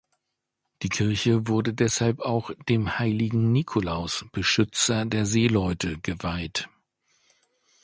Die Kirche wurde deshalb auch dem heiligen Nikolaus, Beschützer der Seeleute, geweiht.